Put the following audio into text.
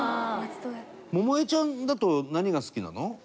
伊達：百恵ちゃんだと何が好きなの？